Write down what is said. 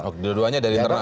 oke dua duanya dari internal